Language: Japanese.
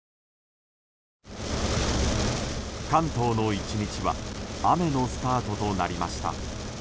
関東の１日は雨のスタートとなりました。